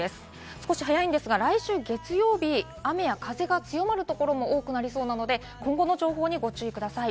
少し早いですが来週月曜日、雨や風が強まるところも多くなりそうなので今後の情報にご注意ください。